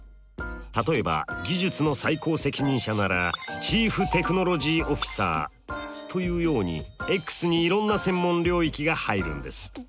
例えば技術の最高責任者ならチーフテクノロジーオフィサーというようにｘにいろんな専門領域が入るんです。